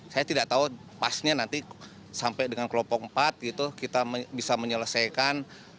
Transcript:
saya tidak tahu pasnya nanti sampai dengan kelompok empat gitu kita bisa menyelesaikan